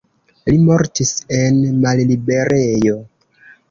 Li mortis en malliberejo.